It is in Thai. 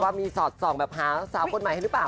ว่ามีสอดส่องแบบหาสาวคนใหม่ให้หรือเปล่า